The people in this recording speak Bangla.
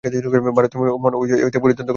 ভারতীয় মন ঐ পথ পরিত্যাগ করিতে বাধ্য হইয়াছিল।